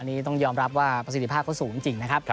นี้ต้องยอมรับว่าประสิทธิภาพเขาสูงจริงนะครับ